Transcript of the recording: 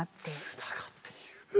つながっている。